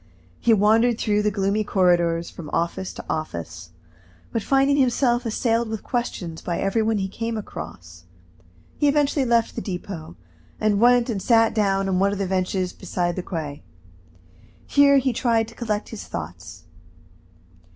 He wandered through the gloomy corridors, from office to office, but finding himself assailed with questions by every one he came across, he eventually left the Depot, and went and sat down on one of the benches beside the quay. Here he tried to collect his thoughts.